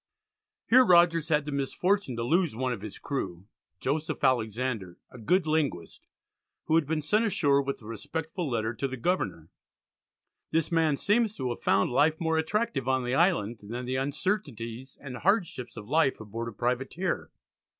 Here Rogers had the misfortune to lose one of his crew, Joseph Alexander "a good linguist," who had been sent ashore with a respectful letter to the Governor. This man seems to have found life more attractive on the island than the uncertainties and hardships of life aboard a privateer.